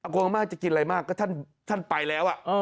อโกงอาม่าจะกินอะไรมากก็ท่านท่านไปแล้วอ่ะอ๋อ